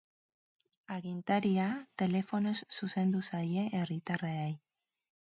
Agintaria telefonoz zuzendu zaie herritarrei.